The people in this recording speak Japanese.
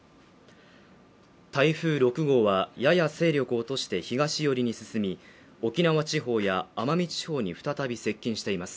台風６号はやや勢力を落として東寄りに進み沖縄地方や奄美地方に再び接近しています